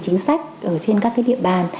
chính sách ở trên các cái địa bàn